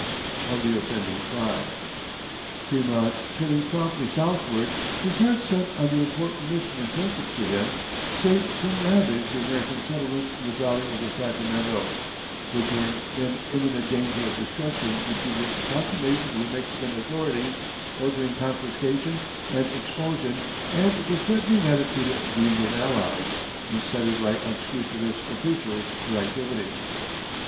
of the offending tribe. Frémont, turning promptly southward, his heart set on the important mission intrusted to him, saved from ravage the American settlements in the valley of the Sacramento, which were in imminent danger of destruction between the proclamation of the Mexican authorities ordering confiscation and expulsion and the threatening attitude of the Indian allies, incited by unscrupulous officials to activity.